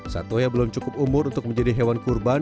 satoya belum cukup umur untuk menjadi hewan korban